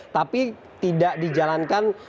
tapi tidak dijalankan